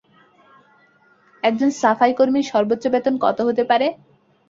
একজন সাফাইকর্মীর সর্বোচ্চ বেতন কত হতে পারে?